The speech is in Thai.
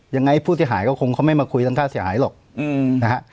ยังไงผู้เสียหายก็คงเขาไม่มาคุยทั้งค่าเสียหายหรอกนะฮะ